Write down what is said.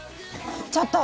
ちょっと。